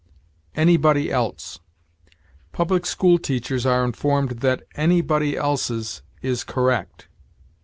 ANYBODY ELSE. "Public School Teachers are informed that anybody else's is correct."